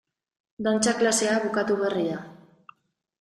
Dantza klasea bukatu berri da.